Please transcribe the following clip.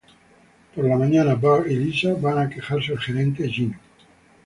Por la mañana, Bart y Lisa van a quejarse al gerente, Jeanie.